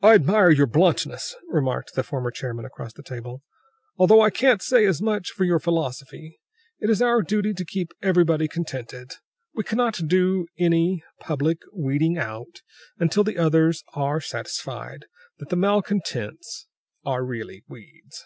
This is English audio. "I admire your bluntness," remarked the former chairman across the table, "although I can't say as much for your philosophy. It is our duty to keep everybody contented; we cannot do any public weeding out until the others are satisfied that the malcontents are really weeds."